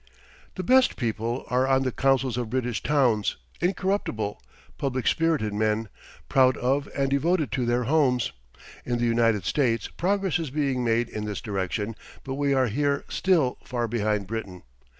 The best people are on the councils of British towns, incorruptible, public spirited men, proud of and devoted to their homes. In the United States progress is being made in this direction, but we are here still far behind Britain.